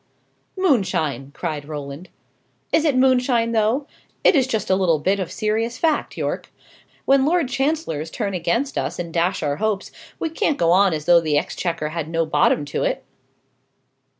"Moonshine!" cried Roland. "Is it moonshine, though? It is just a little bit of serious fact, Yorke. When lord chancellors turn against us and dash our hopes, we can't go on as though the exchequer had no bottom to it."